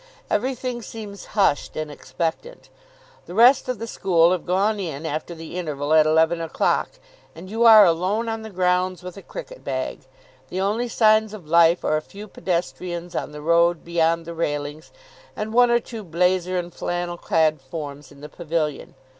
Everything seems hushed and expectant. The rest of the school have gone in after the interval at eleven o'clock, and you are alone on the grounds with a cricket bag. The only signs of life are a few pedestrians on the road beyond the railings and one or two blazer and flannel clad forms in the pavilion.